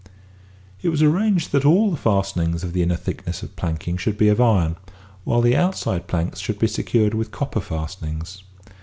It was arranged that all the fastenings of the inner thickness of planking should be of iron, whilst the outside planks should be secured with copper fastenings.